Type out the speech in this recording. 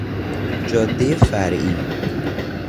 جادهی فرعی